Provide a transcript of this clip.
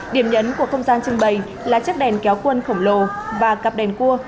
điểm nhấn của không gian trưng bày là chiếc đèn kéo quân khổng lồ và cặp đèn cua